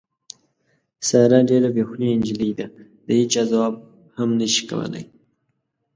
ساره ډېره بې خولې نجیلۍ ده، د هېچا ځواب هم نشي کولی.